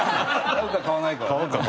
買うか買わないか。